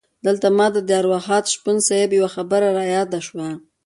دلته ماته د ارواښاد شپون صیب یوه خبره رایاده شوه.